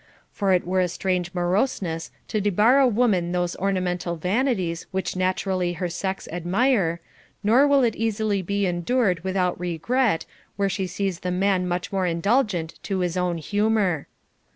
For it were a strange moroseness to debar a woman those orna mental vanities which naturally her sex admire, nor will it easily be endured without regret, where she sees the man much more indulgent to his own humor.